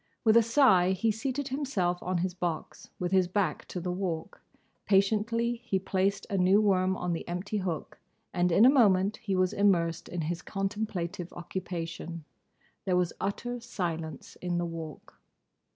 With a sigh he seated himself on his box, with his back to the Walk; patiently he placed a new worm on the empty hook, and in a moment he was immersed in his contemplative occupation. There was utter silence in the Walk.